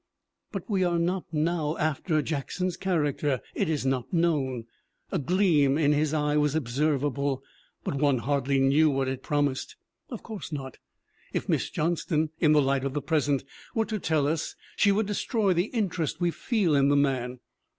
But we are not now after Jack son's character; it is not known! A gleam in his eye was observable, but one "hardly knew what it promised." Of course not! If Miss Johnston, in the light of the present, were to tell us she would destroy the interest we feel in the man.